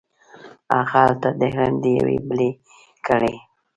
هغه هلته د علم ډیوې بلې کړې.